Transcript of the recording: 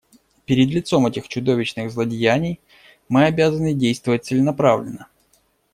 Перед лицом этих чудовищных злодеяний мы обязаны действовать целенаправленно.